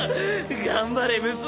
頑張れ娘